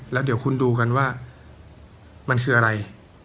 แล้วเดี๋ยวคุณดูกันว่ามันคืออะไร